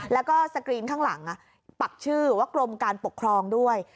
แล้วก็สกรีนข้างหลังปักชื่อว่ากรมการปกครองด้วย